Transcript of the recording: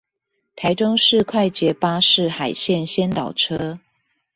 臺中市快捷巴士海線先導車